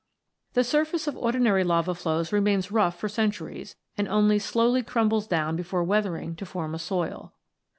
The surface of ordinary lava flows remains rough for centuries, and only slowly crumbles down before weathering to form a soil.